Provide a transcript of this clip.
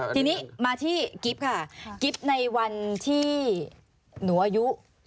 ทีนี้มาที่กิ๊บค่ะกิ๊บในวันที่หนูอายุ